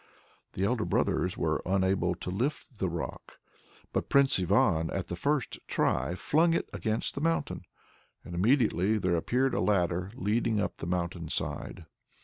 The two elder brothers were unable to lift the rock, but Prince Ivan at the first try flung it against the mountain and immediately there appeared a ladder leading up the mountain side.